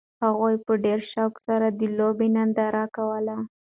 هغوی په ډېر شوق سره د لوبې ننداره کوله.